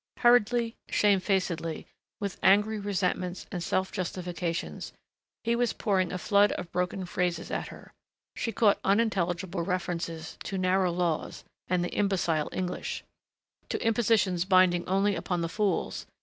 Hurriedly, shamefacedly, with angry resentments and self justifications, he was pouring a flood of broken phrases at her. She caught unintelligible references to narrow laws and the imbecile English, to impositions binding only upon the fools....